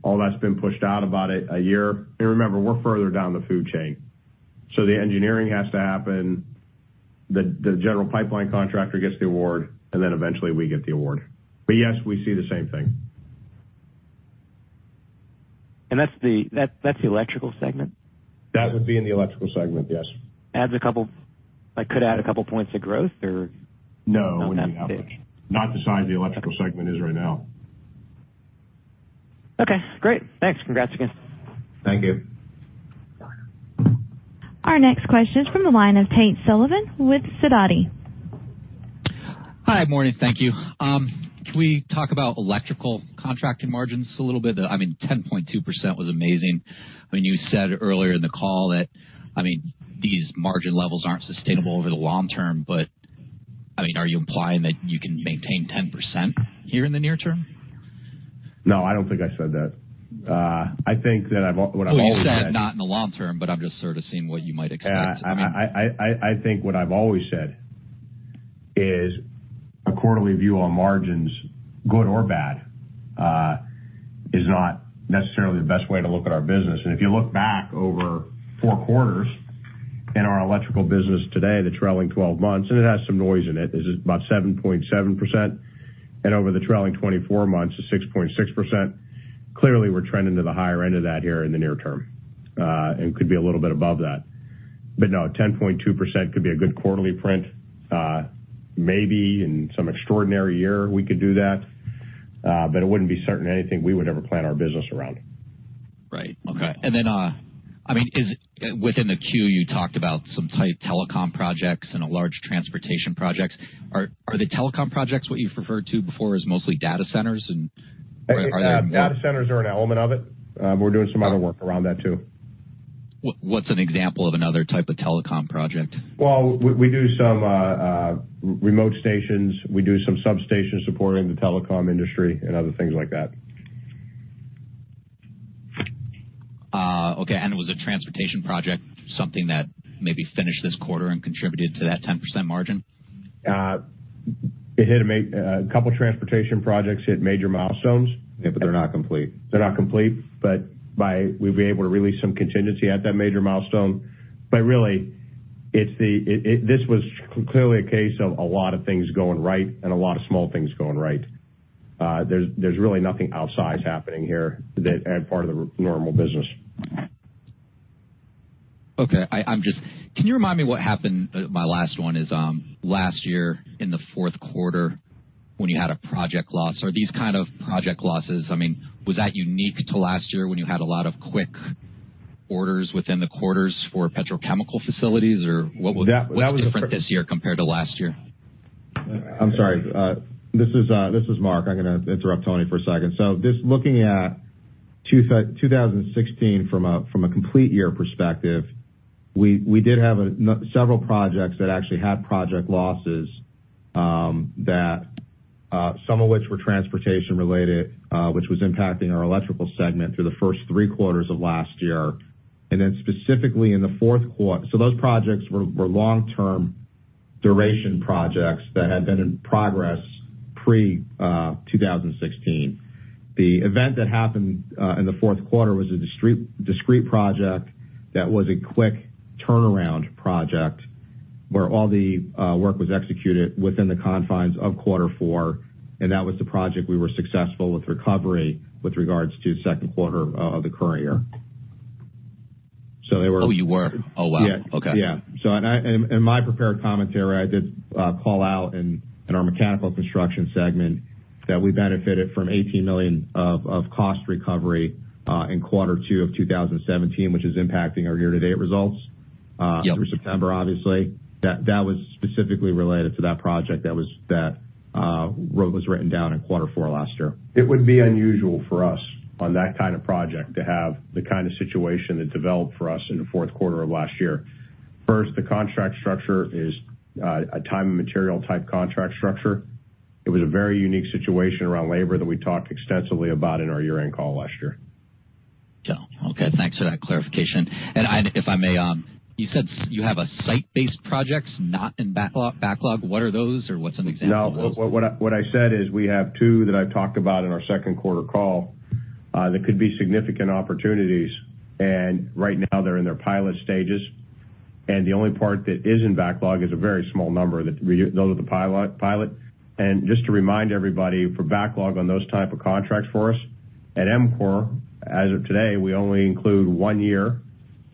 All that's been pushed out about a year. Remember, we're further down the food chain. The engineering has to happen, the general pipeline contractor gets the award, and then eventually we get the award. Yes, we see the same thing. That's the electrical segment? That would be in the electrical segment, yes. Could add a couple points of growth? No, it wouldn't be that much. Not the size the electrical segment is right now. Okay, great. Thanks. Congrats again. Thank you. Our next question is from the line of Tate Sullivan with Sidoti. Hi, morning. Thank you. Can we talk about electrical contracting margins a little bit? I mean, 10.2% was amazing when you said earlier in the call that these margin levels aren't sustainable over the long term, but are you implying that you can maintain 10% here in the near term? No, I don't think I said that. I think that what I've always said- Well, you said not in the long term. I'm just sort of seeing what you might expect. I think what I've always said is a quarterly view on margins, good or bad, is not necessarily the best way to look at our business. If you look back over four quarters in our electrical business today, the trailing 12 months, and it has some noise in it, is about 7.7%, and over the trailing 24 months is 6.6%. Clearly, we're trending to the higher end of that here in the near term. Could be a little bit above that. No, 10.2% could be a good quarterly print. Maybe in some extraordinary year we could do that. It wouldn't be certain anything we would ever plan our business around. Right. Okay. Then within the Q, you talked about some type telecom projects and large transportation projects. Are the telecom projects what you've referred to before as mostly data centers? Are they. Data centers are an element of it. We're doing some other work around that, too. What's an example of another type of telecom project? Well, we do some remote stations. We do some substation supporting the telecom industry and other things like that. Was the transportation project something that maybe finished this quarter and contributed to that 10% margin? A couple transportation projects hit major milestones. Yeah, they're not complete. They're not complete, but we've been able to release some contingency at that major milestone. Really, this was clearly a case of a lot of things going right and a lot of small things going right. There's really nothing outsize happening here as part of the normal business. Okay. Can you remind me what happened? My last one is, last year in the fourth quarter, when you had a project loss. Are these kind of project losses, was that unique to last year when you had a lot of quick orders within the quarters for petrochemical facilities? That was- What's different this year compared to last year? I'm sorry. This is Mark. I'm going to interrupt Tony for a second. Just looking at 2016 from a complete year perspective, we did have several projects that actually had project losses, some of which were transportation-related, which was impacting our electrical segment through the first three quarters of last year. Specifically in the fourth quarter. Those projects were long-term duration projects that had been in progress pre-2016. The event that happened in the fourth quarter was a discrete project that was a quick turnaround project, where all the work was executed within the confines of quarter four, and that was the project we were successful with recovery with regards to the second quarter of the current year. They were- Oh, you were? Oh, wow. Yes. Okay. Yeah. In my prepared commentary, I did call out in our mechanical construction segment that we benefited from $18 million of cost recovery in quarter two of 2017, which is impacting our year-to-date results- Yep through September, obviously. That was specifically related to that project that was written down in quarter four last year. It would be unusual for us on that kind of project to have the kind of situation that developed for us in the fourth quarter of last year. First, the contract structure is a time and materials type contract structure. It was a very unique situation around labor that we talked extensively about in our year-end call last year. Got it. Okay. Thanks for that clarification. If I may, you said you have site-based projects not in backlog. What are those, or what's an example of those? No. What I said is we have two that I've talked about in our second quarter call that could be significant opportunities, and right now they're in their pilot stages. The only part that is in backlog is a very small number. Those are the pilot. Just to remind everybody, for backlog on those type of contracts for us at EMCOR, as of today, we only include one year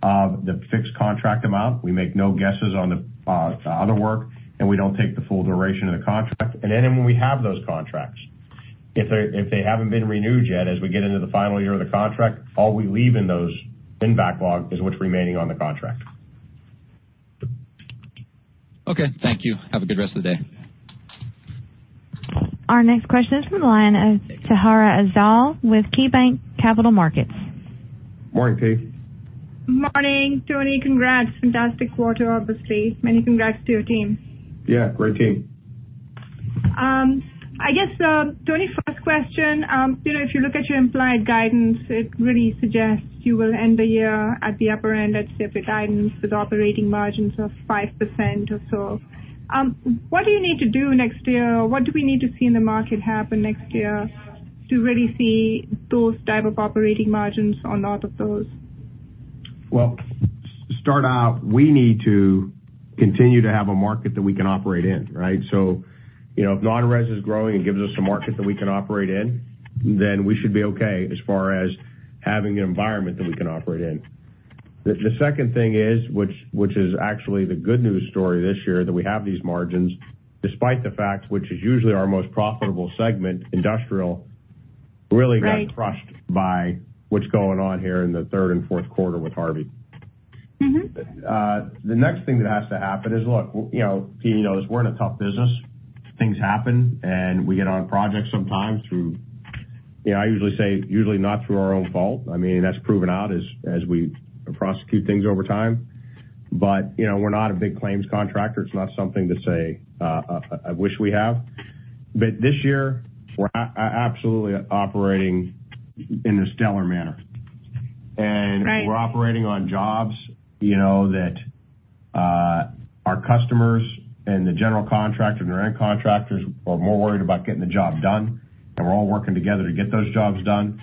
of the fixed contract amount. We make no guesses on the other work, and we don't take the full duration of the contract. Then when we have those contracts, if they haven't been renewed yet, as we get into the final year of the contract, all we leave in those in backlog is what's remaining on the contract. Okay. Thank you. Have a good rest of the day. Our next question is from the line of Tahira Afzal with KeyBanc Capital Markets. Morning, Tahira. Morning, Tony. Congrats. Fantastic quarter, obviously. Many congrats to your team. Yeah, great team. I guess, Tony, first question. If you look at your implied guidance, it really suggests you will end the year at the upper end of your guidance with operating margins of 5% or so. What do you need to do next year, or what do we need to see in the market happen next year to really see those type of operating margins on all of those? To start out, we need to continue to have a market that we can operate in. Right? If non-res is growing and gives us a market that we can operate in, then we should be okay as far as having an environment that we can operate in. The second thing is, which is actually the good news story this year, that we have these margins despite the fact, which is usually our most profitable segment, industrial- Right really got crushed by what's going on here in the third and fourth quarter with Harvey. The next thing that has to happen is, look, Tahira knows we're in a tough business. Things happen, and we get on projects sometimes through, I usually say, usually not through our own fault. That's proven out as we prosecute things over time. We're not a big claims contractor. It's not something that I wish we have. This year, we're absolutely operating in a stellar manner. Right. We're operating on jobs that our customers and the general contractor and our end contractors are more worried about getting the job done, and we're all working together to get those jobs done.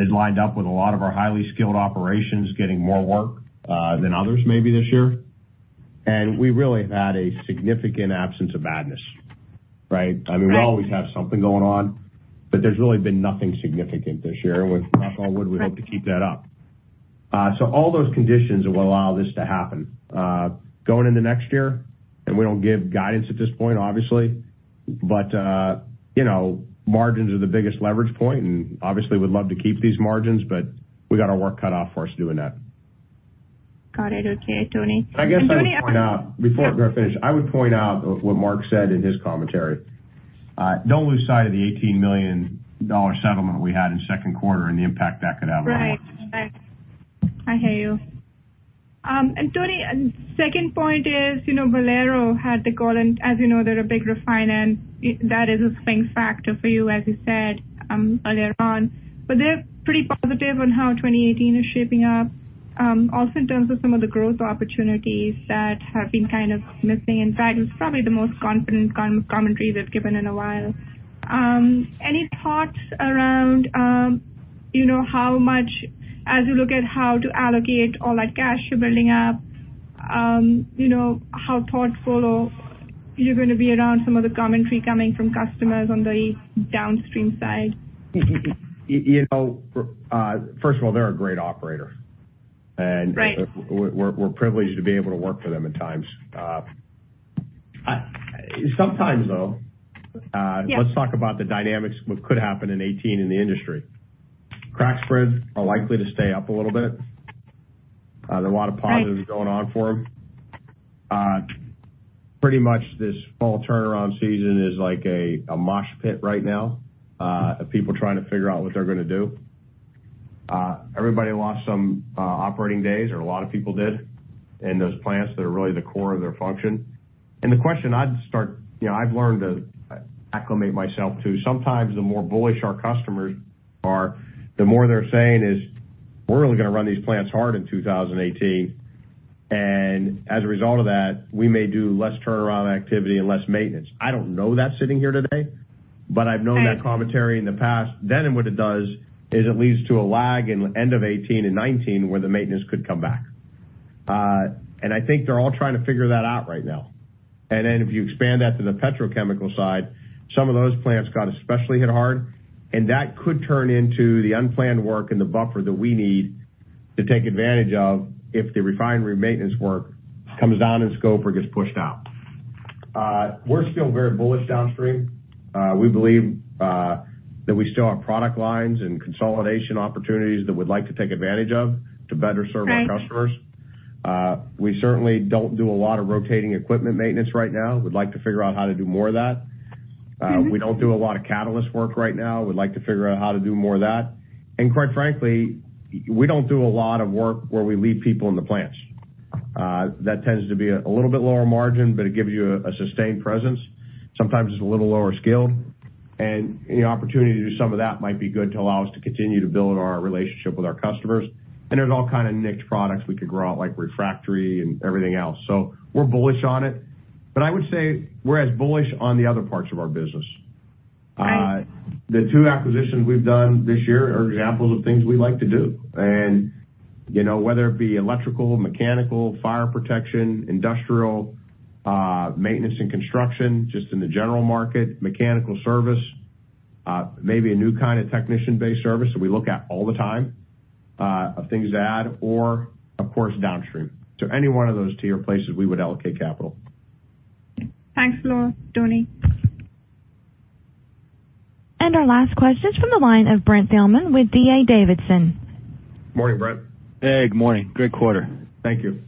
It lined up with a lot of our highly skilled operations getting more work than others maybe this year. We really have had a significant absence of madness. Right? Right. We always have something going on, but there's really been nothing significant this year. Knock on wood, we hope to keep that up. All those conditions will allow this to happen. Going into next year, we don't give guidance at this point, obviously, margins are the biggest leverage point, obviously we'd love to keep these margins, we got our work cut out for us doing that. Got it. Okay, Tony. I guess I would point out before I finish, I would point out what Mark said in his commentary. Don't lose sight of the $18 million settlement we had in second quarter and the impact that could have on us. Right. I hear you. Tony, second point is Valero had the call and as you know, they're a big refiner and that is a key factor for you, as you said earlier on. They're pretty positive on how 2018 is shaping up. Also in terms of some of the growth opportunities that have been kind of missing. In fact, it's probably the most confident commentary they've given in a while. Any thoughts around how much as you look at how to allocate all that cash you're building up, how thoughtful you're going to be around some of the commentary coming from customers on the downstream side? First of all, they're a great operator. Right. We're privileged to be able to work for them at times. Sometimes, though. Yeah Let's talk about the dynamics of what could happen in 2018 in the industry. Crack spreads are likely to stay up a little bit. Right. There are a lot of positives going on for them. Pretty much this fall turnaround season is like a mosh pit right now of people trying to figure out what they're going to do. Everybody lost some operating days, or a lot of people did in those plants that are really the core of their function. I've learned to acclimate myself to sometimes the more bullish our customers are, the more they're saying is, "We're only going to run these plants hard in 2018, and as a result of that, we may do less turnaround activity and less maintenance." I don't know that sitting here today, but I've known that commentary in the past. What it does is it leads to a lag in end of 2018 and 2019 where the maintenance could come back. I think they're all trying to figure that out right now. If you expand that to the petrochemical side, some of those plants got especially hit hard, and that could turn into the unplanned work and the buffer that we need to take advantage of if the refinery maintenance work comes down in scope or gets pushed out. We're still very bullish downstream. We believe that we still have product lines and consolidation opportunities that we'd like to take advantage of to better serve our customers. Right. We certainly don't do a lot of rotating equipment maintenance right now. We'd like to figure out how to do more of that. We don't do a lot of catalyst work right now. We'd like to figure out how to do more of that. Quite frankly, we don't do a lot of work where we leave people in the plants. That tends to be a little bit lower margin, but it gives you a sustained presence. Sometimes it's a little lower skilled, and the opportunity to do some of that might be good to allow us to continue to build our relationship with our customers. There's all kind of niched products we could grow out, like refractory and everything else. We're bullish on it. I would say we're as bullish on the other parts of our business. Right. The two acquisitions we've done this year are examples of things we like to do. Whether it be electrical, mechanical, fire protection, industrial maintenance and construction, just in the general market, mechanical service, maybe a new kind of technician-based service that we look at all the time of things to add or of course downstream. Any one of those tier places we would allocate capital. Thanks a lot, Tony. Our last question is from the line of Brent Thielman with D.A. Davidson. Morning, Brent. Hey, good morning. Good quarter. Thank you.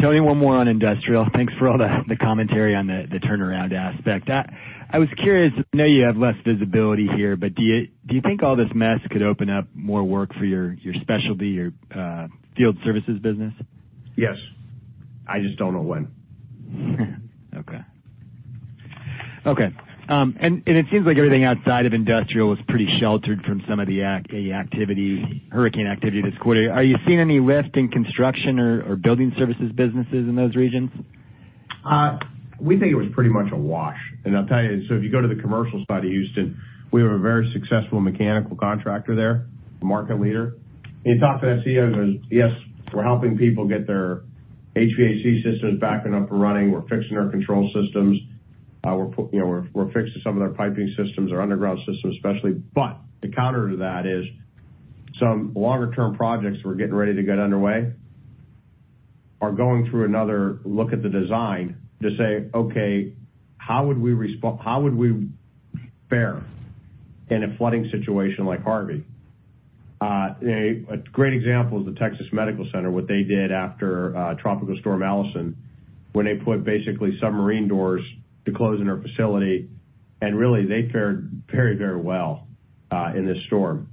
Tony, one more on industrial. Thanks for all the commentary on the turnaround aspect. I was curious, I know you have less visibility here, but do you think all this mess could open up more work for your specialty, your field services business? Yes. I just don't know when. Okay. It seems like everything outside of industrial was pretty sheltered from some of the hurricane activity this quarter. Are you seeing any lift in construction or building services businesses in those regions? We think it was pretty much a wash. I'll tell you, if you go to the commercial side of Houston, we have a very successful mechanical contractor there, a market leader. You talk to that CEO, goes, "Yes, we're helping people get their HVAC systems back up and running. We're fixing our control systems. We're fixing some of their piping systems, their underground systems especially." The counter to that is some longer term projects that were getting ready to get underway are going through another look at the design to say, "Okay, how would we fare in a flooding situation like Hurricane Harvey?" A great example is the Texas Medical Center, what they did after Tropical Storm Allison, when they put basically submarine doors to close in their facility, and really, they fared very well in this storm.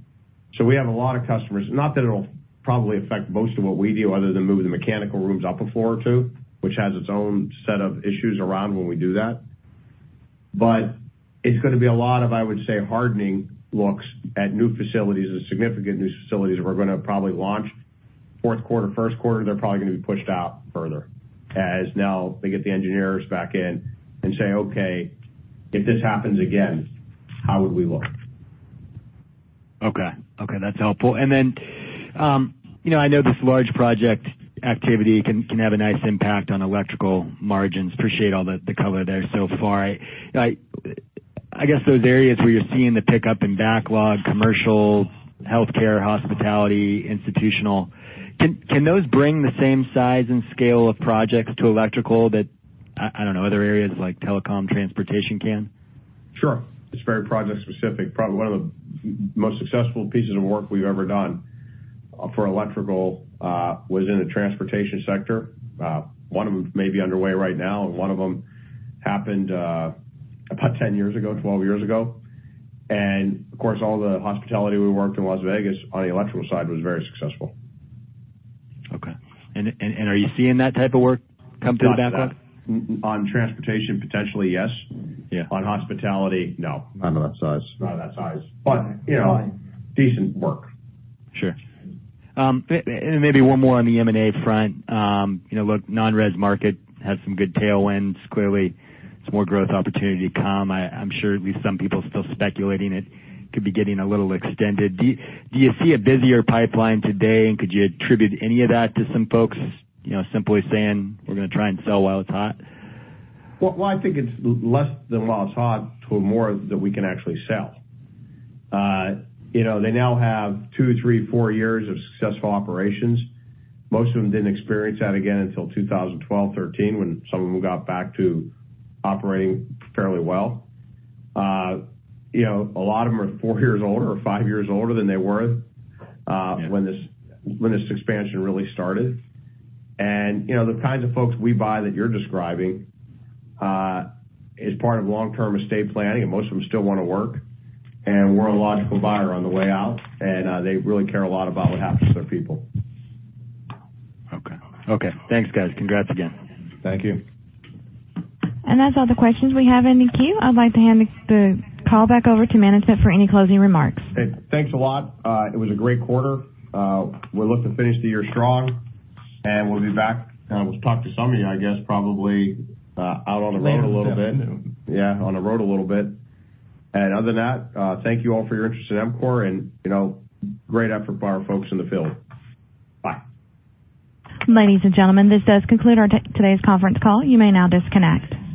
We have a lot of customers, not that it'll probably affect most of what we do other than move the mechanical rooms up a floor or two, which has its own set of issues around when we do that. It's going to be a lot of, I would say, hardening looks at new facilities or significant new facilities that were going to probably launch fourth quarter, first quarter, they're probably going to be pushed out further as now they get the engineers back in and say, "Okay, if this happens again, how would we look? Okay. That's helpful. I know this large project activity can have a nice impact on electrical margins. Appreciate all the color there so far. I guess those areas where you're seeing the pickup in backlog, commercial, healthcare, hospitality, institutional, can those bring the same size and scale of projects to electrical that, I don't know, other areas like telecom, transportation can? Sure. It's very project specific. Probably one of the most successful pieces of work we've ever done for electrical was in the transportation sector. One of them may be underway right now, and one of them happened about 10 years ago, 12 years ago. Of course, all the hospitality we worked in Las Vegas on the electrical side was very successful. Okay. Are you seeing that type of work come through the backlog? On transportation, potentially, yes. Yeah. On hospitality, no. Not of that size. Not of that size. Decent work. Sure. Maybe one more on the M&A front. Non-res market has some good tailwinds. Clearly, there's more growth opportunity to come. I'm sure at least some people are still speculating it could be getting a little extended. Do you see a busier pipeline today? Could you attribute any of that to some folks simply saying, "We're going to try and sell while it's hot? Well, I think it's less the while it's hot, to more that we can actually sell. They now have two, three, four years of successful operations. Most of them didn't experience that again until 2012, 2013, when some of them got back to operating fairly well. A lot of them are four years older or five years older than they were Yeah when this expansion really started. The kinds of folks we buy that you're describing is part of long-term estate planning, and most of them still want to work. We're a logical buyer on the way out, and they really care a lot about what happens to their people. Okay. Thanks, guys. Congrats again. Thank you. That's all the questions we have in the queue. I'd like to hand the call back over to management for any closing remarks. Hey, thanks a lot. It was a great quarter. We look to finish the year strong, and we'll be back. We'll talk to some of you, I guess probably out on the road a little bit. Other than that, thank you all for your interest in EMCOR and great effort by our folks in the field. Bye. Ladies and gentlemen, this does conclude today's conference call. You may now disconnect.